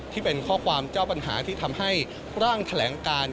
ที่เป็นข้อความเจ้าปัญหาที่ทำให้ร่างแถลงการ